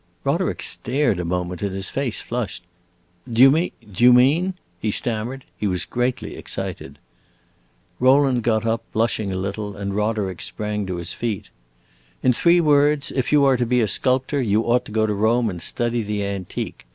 Roderick stared a moment and his face flushed. "Do you mean do you mean?".... he stammered. He was greatly excited. Rowland got up, blushing a little, and Roderick sprang to his feet. "In three words, if you are to be a sculptor, you ought to go to Rome and study the antique.